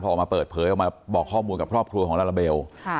ออกมาเปิดเผยออกมาบอกข้อมูลกับครอบครัวของลาลาเบล